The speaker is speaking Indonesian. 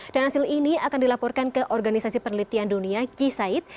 dan hasil ini akan dilaporkan ke organisasi penelitian dunia kisaid